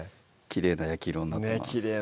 きれいな焼き色になってます